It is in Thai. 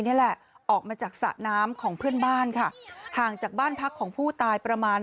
นี่แหละออกมาจากสระน้ำของเพื่อนบ้านค่ะห่างจากบ้านพักของผู้ตายประมาณ